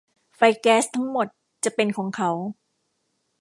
ไฟแก๊สทั้งหมดจะเป็นของเขา